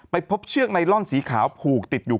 พบเชือกไนลอนสีขาวผูกติดอยู่